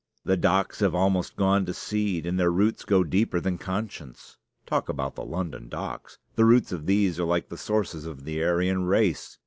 The docks have almost gone to seed; and their roots go deeper than conscience. Talk about the London docks! the roots of these are like the sources of the Aryan race.